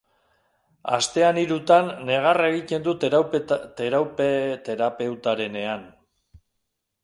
Astean hirutan negar egiten du terapeutarenean.